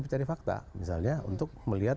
untuk mencari fakta misalnya untuk melihat